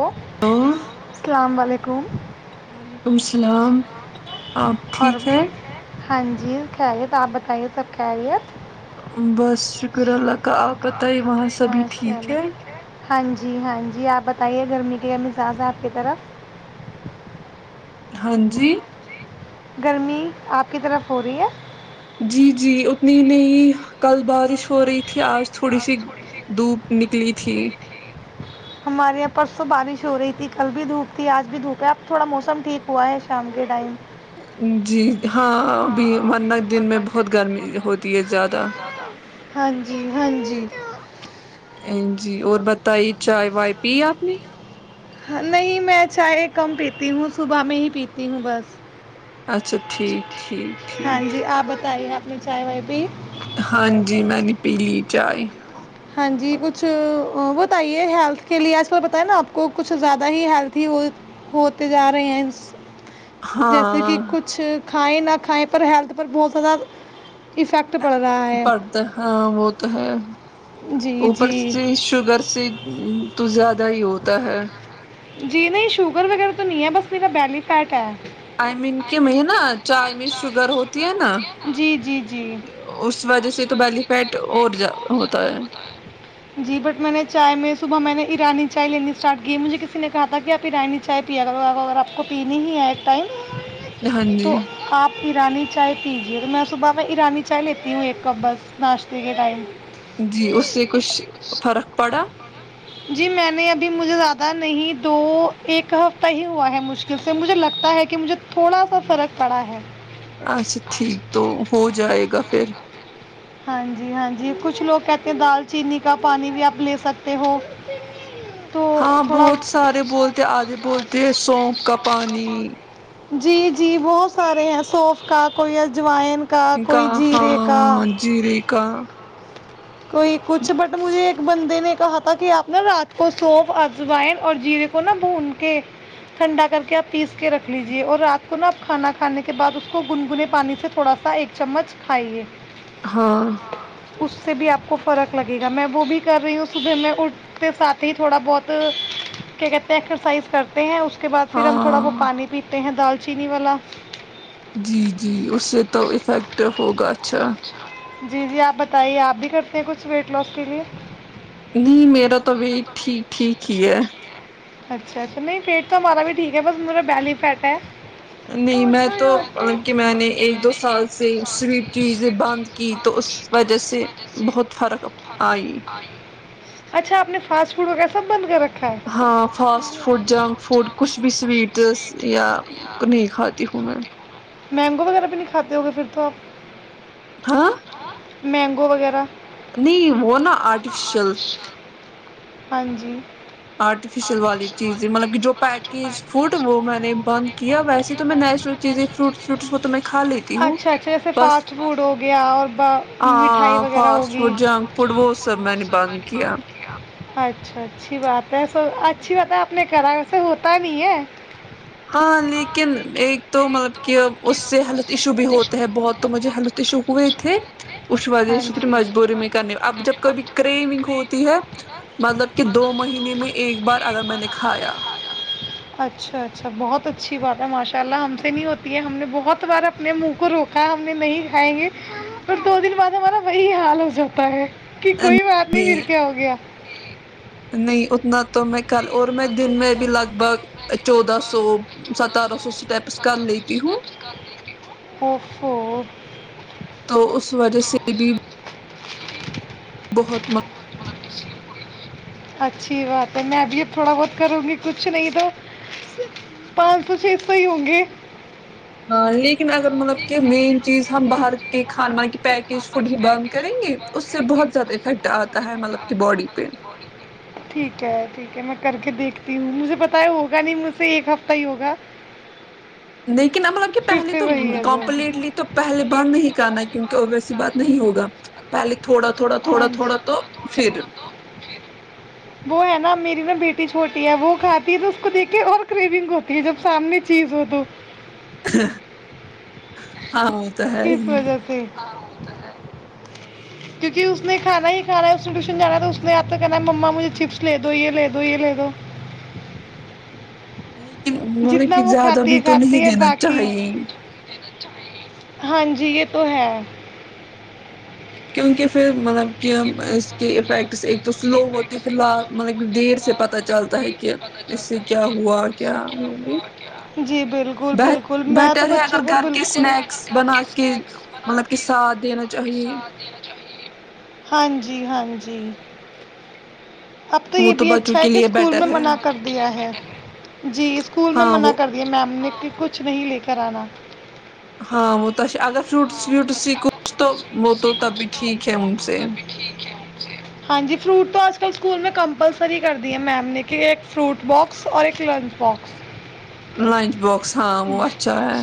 Hello hello السلام علیکم وعلیکم السلام آپ اور ٹھیک ہے ہاں جی خہیے آپ بتائیے سب کہہ رہی ہے بس شکر اللہ کا آپ بتائیے وہاں سبھی ماشاء ٹھیک ہے اللہ ہاں جی ہاں جی آپ بتائیے گرمی کا کیا مزاج ہے آپ کی طرف ہاں جی گرمی آپ کی طرف ہو رہی ہے جی جی اتنی نہیں کل بارش ہو رہی تھی آج تھوڑی سی دھوپ نکلی تھی ہمارے یہاں پرسوں بارش ہو رہی تھی کل بھی دھوپ تھی آج بھی دھوپ ہے اب تھوڑا موسم ٹھیک ہوا ہے شام کے ٹائم [unintelligible] ہاں اب م دن میں بہت گرمی ہوتی ہے زیادہ ہاں جی ہاں جی جی اور بتائیے چائے وائے پی آپ نے نہیں میں چائے کم پیتی ہوں صبح میں ہی پیتی ہوں بس اچھا ٹھیک ٹھیک ٹھیک مر چائے وائے بھی ہاں جی میں نے پیلی چائے ہاں جی کچھ بتائیے ہیلتھ کے لیے آج کل پت ہے نا آپ کو کچھ زیادہ ہیلتھی ہو ہوتے جا رہے ہیں جیسے ہاں کہ کچھ کھیں نہ کھیں پر ہیلتھ پر بہت زیادہ افیکٹ پڑ رہا ہے پڑھتا ہاں وہ تو ہے جی اوپر جی سے شوگر سے تو زیادہ ہی ہوتا ہے جی نہیں شوگر وغیرہ تو نہیں ہے بس میرا بیلی فیٹ ہے آئی مین کہ میں نا چائے میں شوگر ہوتی ہے نا جی جی جی اس وجہ سے تو بیلی فیٹ اور ہوتا ہے جی بٹ میں نے چائے میں صبح میں نے ایرانی چائے لین نے اسٹارٹ گے مجے اسسی نے کہا تھا کہ آپھی رائانی چائے پیا کر اگر آپ کو پینی ہی ہے ایک ٹائم ہاں جی تو آپ ایرانی چائے پیجیے تو میں صبح کا ایرانی چائے لیتی ہوں ایک کپ بس ناشتے کے ٹائم جی اس سے کچھ فرق پڑا جی میں نے ابھی مجھے زیادہ نہیں دو ایک ہفتہ ہی ہوا ہے مشکل سے مجھے لگتا ہے کہ مجھے تھوڑا سا فرق پڑا ہے اچھا ٹھیک تو ہو جائے گا اا پھر ہاں جی ہاں جی کچھ لوگ کہتے ہیں دال چینی کا پانی بھی آپ لے سکتے ہو تو ہاں تھوڑا بہت سارے بولتے آدھے بولتے ہیں سونپ کا پانی جی جی بہت سارے ہیں سوف کا کوئی اجوائن کا کوئی جیرے کا جی ریکا کوئی کچھ بٹ مجھے بندے نے کہا تھا کہ آپ نا رات کو سوف اجوائن اور جیرے کو نا بھون کے ٹھنڈا کر کے آپ پیس کے رکھ لیجیے اور رات کو نا آپ کھانا کھے کے بعد اسس کو گنگنے پانی سے تھوڑا سا ایک چمچ کھائیے ہاں اس سے بھی آپ کو فرق لگے گا میں وہ بھی کر رہی ہوں صبح میں اٹھتے ساتھ ہی تھوڑا بہت کیا کہتے ہیں ایکسرسائز کرتے ہیں اس اس کے بد پھر ہم تھوڑا ہاں وہ پانی پیتے ہیں دال چینی والا جی جی اس سے تو افیکٹ ہوگا اچھا جی جی آپ بتائیے آپ بھی کرتے ہیں کچھ ویٹ لاس کے لیے نہیں میرا توبھی ٹھیک ٹھیک ہی ہے اچھا اچھا نہیں پیٹ تو ہمارا بھی ٹھیک ہے بس میرا بیلی فٹ ہے نہیں میں طوطے تو ہوتے مطلب کہ میں نے ایک دو سال سے سویپ چیزیں بند کی تو اس وجہ سے بہت فرق آئی اچھا آپ نے فاسٹ فوڈ وغیرہ سب بند کر رکھا ہے ہاں فاسٹ فوڈ جنک فوڈ کچھ بھی سوویت ڈش یہ نہیں کھاتی ہوں میں مینگو وغیرہ بھی نہیں کھاتے ہو گے پھر تو آپ ہاں ! ! مینگو وغیرہ نہیں وہ نا آرٹیفیشل ہاں جی آرٹیفیشیل والی چیزیں مطلب کہ جو پیکیج فوڈ وہ میں نے بند کیا ویسے تو میں نیچرل چیزیں فروٹس فٹس وہ تو میں کھا لیتی ہوں جیسے بس فاسٹ فوڈ ہو گیا اور ب ہاں فاسٹ فوڈ جنک فوڈ وہ سب میں نے بند کیا اچھا اچھی بات سو اچھی بات ہے اپنے گھر وس سے ہوتا نہیں ہے ہاں لیکن ایک تو مطلب کہ اس سے ہیلتھ ایشو بھی ہوتے ہے بہت تو مجھے ہیلتھ ایشو ہوئے تھے اس وجہ سے پھر مجبوری میں کرنی ہو اب جب کبھی کریمنگ ہوتی ہے مطلب کہ دو مہینے میں -ایک بار اگر میں نے کھایا اچھا اچھا بہت اچھی بات ہے ماشاء اللہ ہم سے نہیں ہوتی ہے ہم نے بہت بار اپنے منہ کو روکا ہے ہم نے نہیں کھائی ہے پر دو دن بعد ہمارا وہی حال ہو جاتا ہے کہ کوئی بات نہیں فر کیا ہو گیا نہیں ا [inaudible] نہ تو میں کر اور میں دن میں بھی لگ بھگ چودہ سو سترا سو اسٹیپس کر لیتی ہوں اوفو تو اس وجہ سے بھی ج [inaudible] بہت اچھی بات ہے میں ابھی اب تھوڑا بہت کروں گی کچھ نہیں تو پانچ سو چھ سو ہی ہوں گے ہاں ل [inaudible] لیکن اگر مطلب کہ مین چیز ہم باہر کے کھان پیکج فوڈ ہی بند کریں گے اس سے بہت زیادہ افیکٹ آتا ہے مطلب کہ بڑی پہ ٹھیک ہے ٹھیک ہے میں کر کے دیکھتی ہوں مجھے پتا ہے ہوگا نہیں مجھ سے ایک ہفتہ ہی ہوگا لیکن ہم مطلب کہ پھر پہلے سے تو وہی آ جائے گا۔ کمپٹلی تو پہلے بند نہیں کرنا کیونکہ ا ویسی بات نہیں ہوگا پہلے تھوڑا تھوڑا تھوڑا ہاں تھوڑا تو پھر جی وہ ہے نا میری نا بیٹی چھوٹی ہے وہ کھاتی ہے تو اس کو دیک کے اور کرریونگ ہوتی ہے جب سامنے چیز ہو تو ہ [inaudible] ہاں وہ تو ہے ہی اس نہیں وجہ سے کیونکہ اس نے کھانا ہی کھانا ہے اس ٹیوشن جانا تو اس نے آپ تو کہنا معمہ مجھے چپس لے دو یہ لے دو یہ لے دو لیکن انھوں نے جتنا کہ وہ زیادہ کھاتی بھی ہے تو نہیں کھاتی ہے دینا باقی چاہیے ہاں جی یہ تو ہے کیونکہ پھر مطلب کہ اس کے افیکٹس ایک تو سلو ہوتے ہیں پ ل مطلب دیر سے پت چلتا ہے کہ اس سے کیا ہوا کیا ہوئی جی بالکل بالکل میں تو بیٹر ہے اگر بچوں کو گھر کے بالکل اسنیکس بنا کے مطلب کہ ساتھ دینا چاہیے ہاں جی ہاں جی اب تو وہ یہ بھی بچوں اچھا ہے کے کہ لیے اسکول میں بیٹر ہے منع کر دیا ہے جی اسکول میں ہاں وہ منع کر دیا میم نے کچھ نہیں لکھا [unintelligible] کرانا ہاں وہ تو اگ ب تو تب بھی ٹھیک ہے ان سے ہے فروٹ توج کل اسکول میں کمپلسری کر دی ہے میم نے کہ ایک فروٹ باکس اور ایک لنچ باکس لنچ باکس ہاں وہ اھا ہے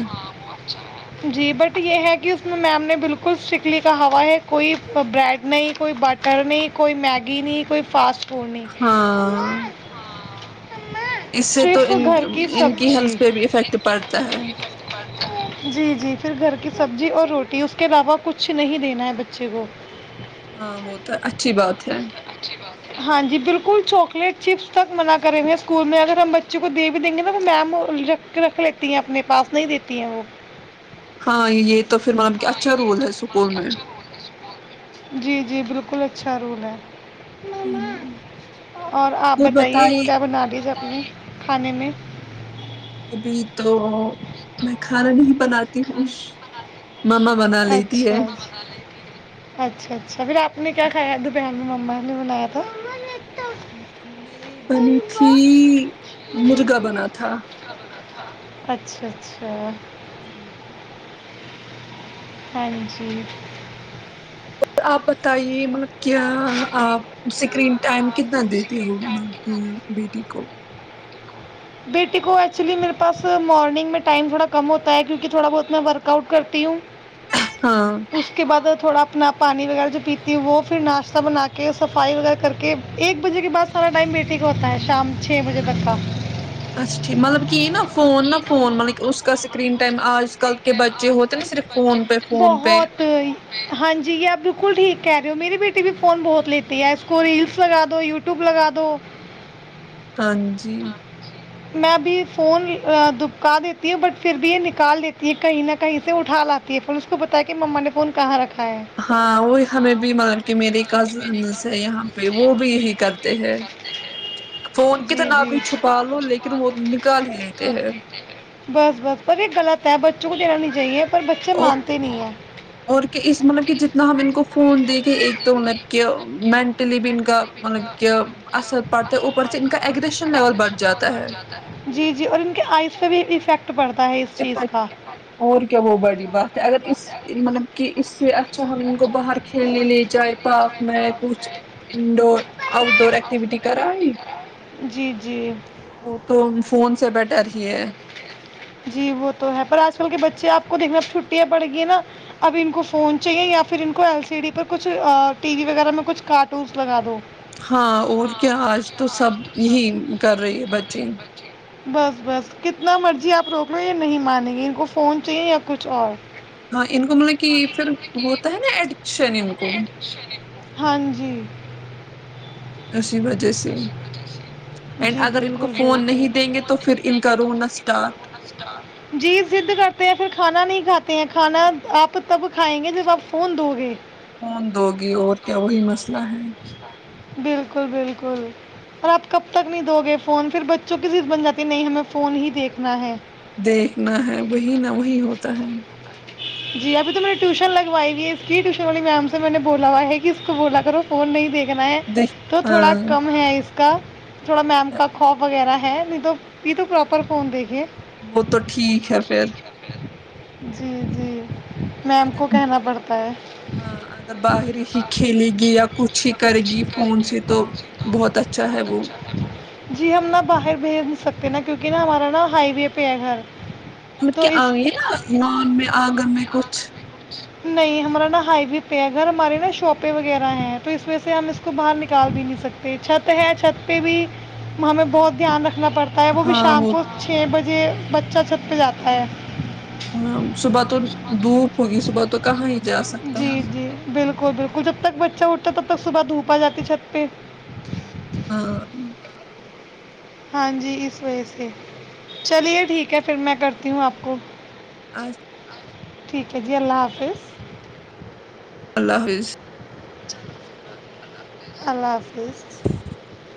چ جی بٹ یہ ہے کہ ا س میں میم نے بالکل اسٹکلی کا ہوا ہے کوئی بریڈ نہیں کوئی بٹر نہیں کوئی میگی نہیں کوئی فاسٹ پورنے ہاں اس سے تو ان ان کی سبزی ہیلتھ پہ بھی افیکٹ پڑتا ہے جی جی پھر گھر کی سبزی اور روٹی اس کے علاوہ کچھ نہیں دینا ہے بچے کو ہاں وہ تو اچھی بات ہے ہاں جی بالکل چواکلیٹ چپس تک منع کرے ہوئے ہیں اسکول میں اگر ہم بچوں کو دے بھی دیں گے نا تو میمکھ رکھ لیتی ہیں اپنے پاس نہیں دیتی ہیں وہو۔ [unintelligible] ہاں یہ تو پھر مان کے اچھا رول ہے اسکول میں جی جی بالکل اچھا رول ہے اور آپ بتائیے کیا بنا لیج جب اپنے کھانے میں ابھی تو میں کھانا نہیں بناتی ہوں مما منا لیتی ہے اچھا مما اچھا اچا [unintelligible] اچا پھر آپ نے کیا کایا دوپہر منی مما نے بنایا تھا ہمیں بنی تھی مرغا بنا تھا [inaudible] اچھا اچھا ہاں جی ہاں جی اور آپ بتائیے مطلب کیا آپ سکرین ٹائم کتنا دیتے ہو کی بیٹی کو بیٹی کو ایکچولی میرے پاس مارنگ میں ٹائم تھوڑا کم ہوتا ہے کیوں کہ تھوڑا بہت میں ورک آؤٹ کرتی ہوں ہاں اس کے بعد [inaudible] تھوڑا اپنا پانی وغیرہ جو پیتی ہوں وہ پھر ناشتہ بنا کے صفائی وغیرہ کر کے ایک بجے کے بعد سارا ٹائم بیٹے کا ہوتا ہے شام چھ بجے تک کا اچھا ٹھیک مطلب کہ یہ نا فون نا فون مطلب کہ اس کا سکرین ٹائم آج کل کے بچے ہوتے نا صرف فون پہ فون پہ بہت ہاں جی یہ آب [inaudible] بالکل ٹھیک کہہ رہے ہو میری بیٹی بھی فون بہت لیتی ہے اس کو ریلس لگا دو یٹیوب لگا دو ہاں جی میں ابھی فون دبکا دیتی ہوں بٹ پھر بھی یہ نکال دیتی ہے کہیں نہ کہیں سے اٹھا لاتی ہے پ اس کو بتایا کہ مما نے فون کہاں رکھا ہے ہاں وہ ہمیں بھی مطلب کہ میرے کزنس ہے یہاں پہ وہ بھی یہی کرتے ہیں فون جی کی تونا آب جی بھی چھپا لو لیکن وہ نکال ہی لیتے ہیں بس بس پر یہ غلط ہے ب چک ج رہا نہیں جیے اور کہ اس مطلب کہ جتنا ہم ان کو فون دیکھے ایک تو مطلب کہ مینٹلی بھی ان کا مطلب کہ اثر پڑتا ہے اوپر سے ان کا اگریشن لیول بڑھ جاتا ہے جی جی اور ان کے آئز پہ بھی افیکٹ پڑتا ہے اس چیز کا اور کیا وہ بڑی بات ہے اگر اس مطلب کہ اس سے اچھا ہم ان کو باہر کھیلنے لے جائ پارک میں کچھ انڈور آؤٹ ڈور ایکٹیویٹی کر جی جی وہ تو فون سے بیٹر ہی ہے جی ب تو ہے پر آج کل کے بچے آپ کو دیکھنے ا چھٹیاں پڑ گی ہیں نا اب ان کو فون چاہیے یا پھر ان کو ایل سی ڈی پر کچھ ٹی وی وغیرہ میں کچھ کارٹونس لگا دو ہاں اور کیا آج تو سب ہی کر رہی ہے بچے بس بس کت اتنا مرضی آپ روک لو یہ نہیں مانیں گے ان کو فون چاہیے یا کچھ اور ہاں ان کو مطلب کہ پھر ہوتا ہے نا ایڈکشن ان کو ہاں جی اسی وجہ سے اینڈ جی اگر ان کو بالکل بالکل فون نہیں دیں گے تو پھر ان کا رونا اسٹارٹ جی ضد کرتے ہیں پھر کھانا نہیں کھاتے ہیں کھانا کرتے ہیں۔ آپ تب کھائیں گے جیس آپ فون دو گے کون دو گی اور کیا وہی مسئلہ ہے بالکل بالکل اور آپ کب تک نہیں دو گے فون پھر بچوں کسیز بن جاتی نہیں ہمیں فون ہی دیکھنا ہے دیکھنا ہے وہی نہ وہی ہوتا ہے جی ابھی تو میں نے ٹیوشن لگوائے گی اس کی ٹیوشن والی میم سے میں نے بولا ہوا ہے کہ اس کو بولا کر وہ فون نہیں دیکھ نا ہے دیکھ تو تھوڑا ہاں کم ہے اس [unintelligible] [unintelligible] ہاں نہیں تو یہ تو پراپر فون دیکھے وہ تو ٹھیک ہے پھر جی جی میم کو کہنا پڑتا ہے [unintelligible] پ نہا کیونکہ نہ ہمارا نا ہائی وے پہ ہے گھر مطب تو کے اس آئی نا لان میں آگن میں کچھ نہیں ہمارا نا ہائی و پہ ہے اھر ہمارے نا شاپیں وغیرہ ہیں تو اس وجہ سے ہم اس کو باہر نکال بھی نہیں سکتے چھت ہے چھت پہ بھی ہمیں بہت دھیان رکھنا پڑتا ہے وہ بھی ہاں شام کو تو ہے چھ بجے [unintelligible] ہاں صبح تو دھوپ ہوگی صبح تو کہاں ہی جا سکتا ہے بالک بالکل جب تک بچہ اٹھتا تب تک صبح دھوپ آ جاتی چھت پہ [unintelligible] ہاں جی اس وجہ سے چلیے ٹھیک ہے پھر میں کرتی ہوں آپ کو [inaudible] ٹھیک ہے جی اللہ حافظ اللہ حافظ [unintelligible] [inaudible]